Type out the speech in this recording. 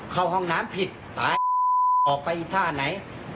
เข้าห้องน้ำผิดตายออกไปท่าไหน